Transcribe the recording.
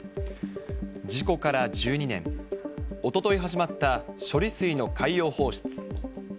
事故から１２年、おととい始まった処理水の海洋放出。